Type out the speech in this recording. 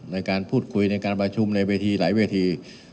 ในการพูดคุยในการประชุมในเวทีหลายเวที